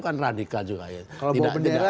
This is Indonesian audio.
kan radikal juga kalau bawa bendera